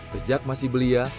sejak masih belia